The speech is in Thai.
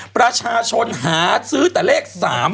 ประชาชนหาซื้อแต่เลข๓๓